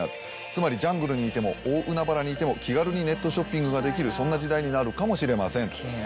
つまりジャングルにいても大海原にいても気軽にネットショッピングができるそんな時代になるかもしれません。